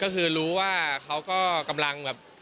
ก็คือรู้ว่าเขาก็กำลังแบบ